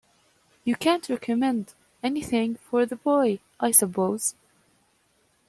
You can't recommend anything for the boy, I suppose?